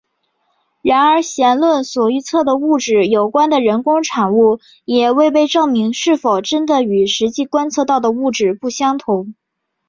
然而弦论所预测的物质有关的人工产物也未被证明是否真的与实际观测到的物质不相同。